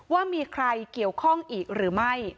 ว่ามีใครเกี่ยวข้องอีกหรือไม่